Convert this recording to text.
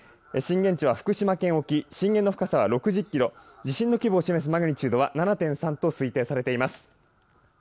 震源地は福島県沖の震源の深さは６０キロ地震の規模を示すマグニチュードは７．３と推定されています。